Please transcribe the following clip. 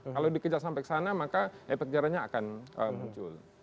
kalau dikejar sampai ke sana maka efek jerahnya akan muncul